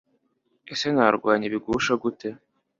Ese narwanya ibigusha gute